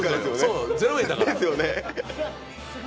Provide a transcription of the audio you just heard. ０円だから。